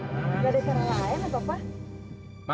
gadisnya relaing atau apa